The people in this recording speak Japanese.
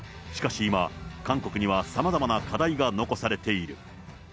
しかし今、韓国にはさまざまな課題が残されている。